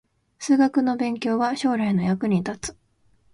数学の勉強は将来の役に立つ